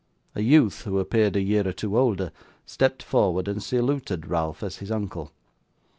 A youth, who appeared a year or two older, stepped forward and saluted Ralph as his uncle.